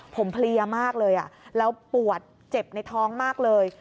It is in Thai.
ผมเพลียมากเลยแล้วปวดเจ็บในท้องมากเลย